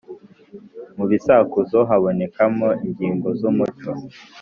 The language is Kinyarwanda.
Mu bisakuzo habonekamo ingingo z’umuco.